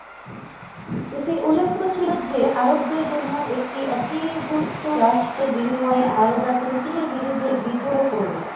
এতে উল্লেখ ছিল যে, আরবদের জন্য একটি একীভূত রাষ্ট্রের বিনিময়ে আরবরা তুর্কিদের বিরুদ্ধে বিদ্রোহ করবে।